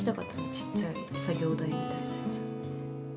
ちっちゃい作業台みたいなやつ。